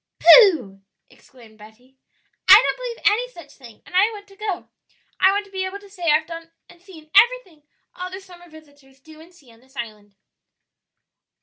"Pooh!" exclaimed Betty; "I don't believe any such thing, and I want to go; I want to be able to say I've done and seen everything other summer visitors do and see on this island."